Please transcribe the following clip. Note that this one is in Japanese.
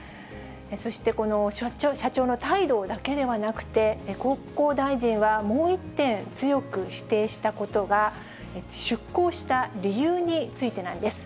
そしてこの社長の態度だけではなくて、国交大臣はもう一点、強く否定したことが、出航した理由についてなんです。